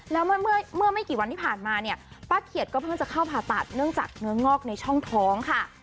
แล้วเมื่อไม่กี่วันที่ผ่านมาเนี่ยป้าเขียดก็เพิ่งจะเข้าผ่าตัดเนื่องจากเนื้องอกในช่องท้องค่ะ